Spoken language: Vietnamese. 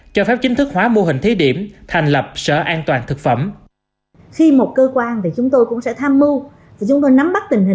cho phép chính thức hóa mô hình thí điểm thành lập sở an toàn thực phẩm